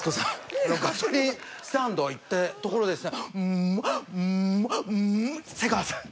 あのガソリンスタンド行ったところですね。